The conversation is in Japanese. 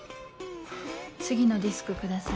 次のディスクください。